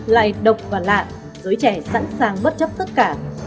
lại độc và lạ giới trẻ sẵn sàng bất chấp tất cả